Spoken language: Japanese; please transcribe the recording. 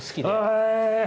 へえ。